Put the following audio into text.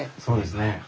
そうですね。